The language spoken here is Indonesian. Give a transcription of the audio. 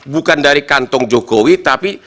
bukan dari kantong jokowi tapi